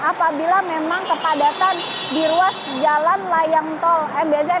apabila memang kepadatan di ruas jalan layang tol mbz